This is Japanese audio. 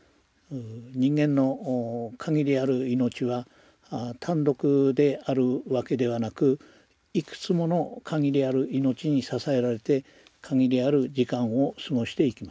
人間の限りある命は単独であるわけではなくいくつもの限りある命に支えられて限りある時間を過ごしていきます。